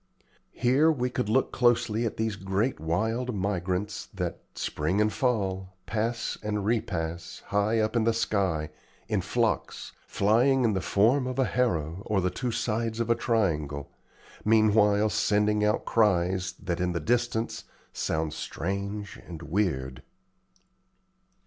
Here we could look closely at these great wild migrants that, spring and fall, pass and repass high up in the sky, in flocks, flying in the form of a harrow or the two sides of a triangle, meanwhile sending out cries that, in the distance, sound strange and weird.